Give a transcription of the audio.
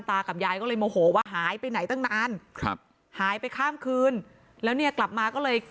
กับยายก็เลยโมโหว่าหายไปไหนตั้งนานครับหายไปข้ามคืนแล้วเนี่ยกลับมาก็เลย